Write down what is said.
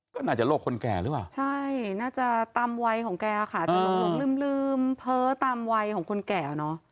ก็น่าจะโรคคนแก่หรือเปล่าใช่น่าจะตามวัยของแกค่ะจะหลงลืมเพ้อตามวัยของคนแก่เนอะ